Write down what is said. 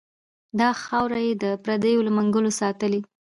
دا خاوره یې د پردو له منګلو ساتلې.